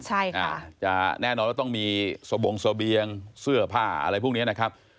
จะแน่นอนต้องมีสะบงสะเบียงเสื้อผ้าอะไรพวกนี้นะครับ